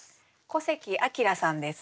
古関聰さんです。